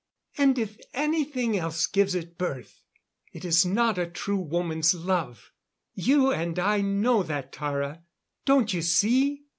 And if anything else gives it birth it is not a true woman's love. You and I know that, Tara. Don't you see?"